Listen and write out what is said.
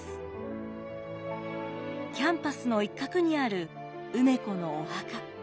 キャンパスの一角にある梅子のお墓。